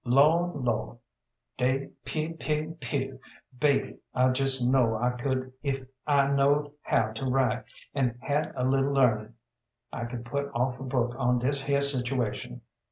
Lord! Lord dey, pew! pew! pew! Baby, I jes kno' I could if I knowed how to write, an' had a little learning I could put off a book on dis here situation.